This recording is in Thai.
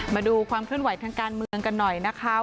มาดูความเคลื่อนไหวทางการเมืองกันหน่อยนะคะ